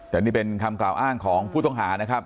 แต่นี่เป็นคำกล่าวอ้างของผู้ต้องหานะครับ